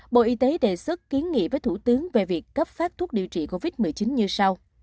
bộ y tế đề xuất kiến nghị với thủ tướng về việc cấp phát thuốc điều trị covid một mươi chín như sau